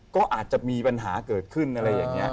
ก็อาจจะมีปัญหาเกิดขึ้นอะไรอย่างนี้